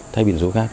thay biển số khác